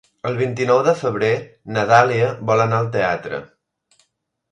El vint-i-nou de febrer na Dàlia vol anar al teatre.